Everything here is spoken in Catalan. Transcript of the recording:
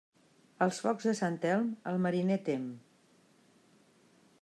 Els focs de Sant Elm, el mariner tem.